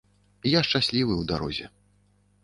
Я шчаслівы ў дарозе.